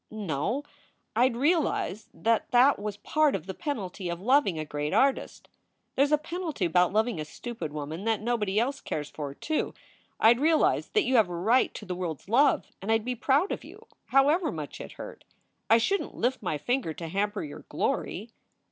"No. I d realize that that was part of the penalty of loving a great artist. There s a penalty about loving a stupid woman that nobody else cares for, too. I d realize that you have a right to the world s love, and I d be proud of you, however much it hurt. I shouldn t lift my finger to hamper your glory."